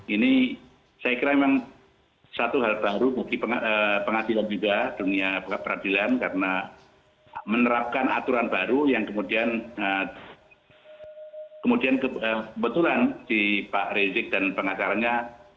ini saya kira memang satu hal baru bagi pengadilan juga dunia peradilan karena menerapkan aturan baru yang kemudian kebetulan di pak rizik dan pengacaranya